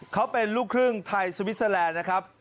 เขาเป็นลูกครึ่งไทยสวิสเตอร์แลนด์นะครับ